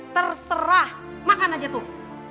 terserah makan aja tuh